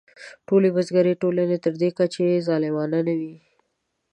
ټولې بزګري ټولنې تر دې کچې ظالمانه نه وې.